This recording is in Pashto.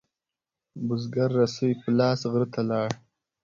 بزگر رسۍ په لاس غره ته لاړ.